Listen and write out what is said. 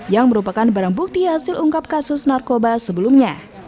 yang merupakan barang bukti hasil ungkap kasus narkoba sebelumnya